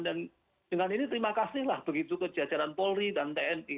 dan dengan ini terima kasihlah begitu kejajaran polri dan tni